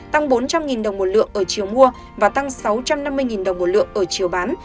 tăng bốn trăm linh đồng một lượng ở chiều mua và tăng sáu trăm năm mươi đồng một lượng ở chiều bán